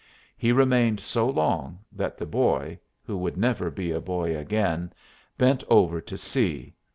He remained so long that the boy, who would never be a boy again, bent over to see.